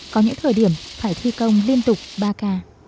có những thời điểm phải thi công liên tục ba k